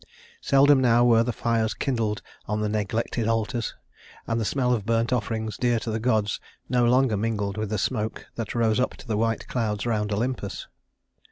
Seldom now were the fires kindled on the neglected altars, and the smell of burnt offerings dear to the gods no longer mingled with the smoke that rose up to the white clouds around Olympus.